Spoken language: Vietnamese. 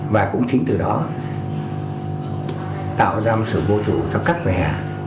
và cũng chính từ đó tạo ra một sự vô trụ cho các về hạ